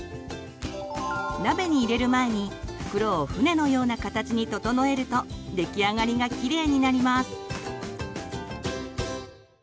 鍋に入れる前に袋を船のような形に整えると出来上がりがキレイになります。